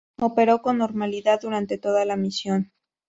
Operó con normalidad durante toda la misión.